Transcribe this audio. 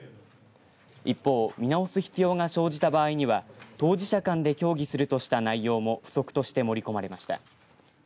一方見直す必要が生じた場合には当事者間で協議するとした内容も付則として盛り込まれました。